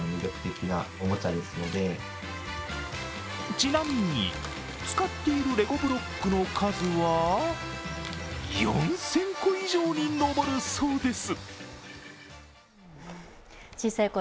ちなみに、使っているレゴブロックの数は４０００個以上に上るそうです。